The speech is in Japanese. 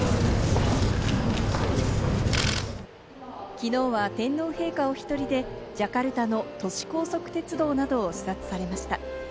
きのうは天皇陛下お１人で、ジャカルタの都市高速鉄道などを視察されました。